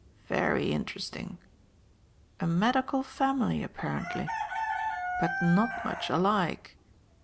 Very interesting. A medical family, apparently. But not much alike."